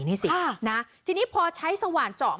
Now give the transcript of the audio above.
นี่สินะทีนี้พอใช้สว่านเจาะ